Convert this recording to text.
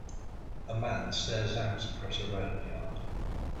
A man stares out across a rail yard.